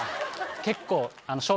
結構。